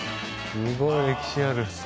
すごい歴史ある。